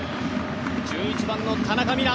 １１番の田中美南。